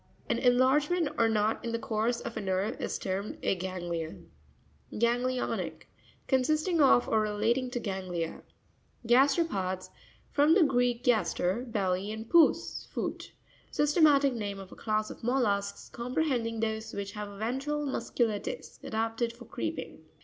An enlargement or knot in the course of a nerve is termed a ganglion. Ga'netionic.—Consisting of, or re lating to ganglia. Ga'stERoPops.— From the Greek, gaster, belly, and pous, foot. Sys tematic name of a class of mol lusks, comprehending those which have a ventral muscular disc, adapted for creeping.